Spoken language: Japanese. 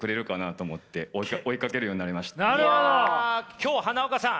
今日花岡さん